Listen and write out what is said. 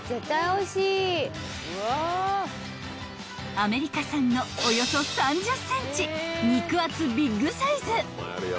［アメリカ産のおよそ３０ｃｍ肉厚ビッグサイズ］